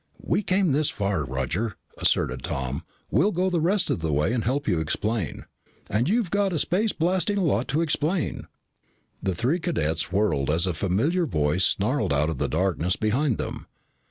"We came this far, Roger," asserted Tom. "We'll go the rest of the way and help you explain." "And you've got a space blasting lot to explain." The three cadets whirled as a familiar voice snarled out of the darkness behind them.